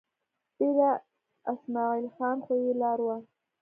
دېره اسمعیل خان خو یې لار وه.